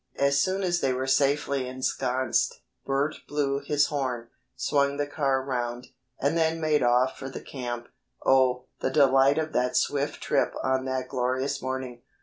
As soon as they were safely ensconced, Bert blew his horn, swung the car around, and then made off for the camp. Oh, the delight of that swift trip on that glorious morning.